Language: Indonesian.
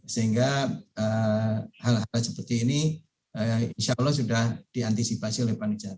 sehingga hal hal seperti ini insya allah sudah diantisipasi oleh panitia